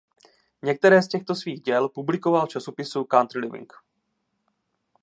Některé z těchto svých děl publikoval v časopisu "Country Living".